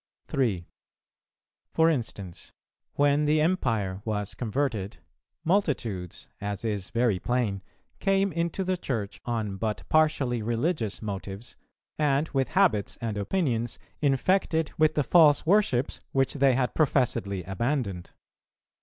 3. For instance: when the Empire was converted, multitudes, as is very plain, came into the Church on but partially religious motives, and with habits and opinions infected with the false worships which they had professedly abandoned.